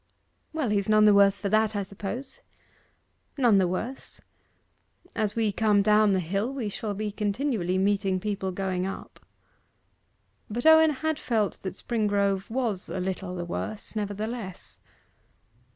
'Well, he's none the worse for that, I suppose.' 'None the worse. As we come down the hill, we shall be continually meeting people going up.' But Owen had felt that Springrove was a little the worse nevertheless.